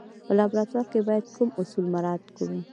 په لابراتوار کې باید کوم اصول مراعات کړو.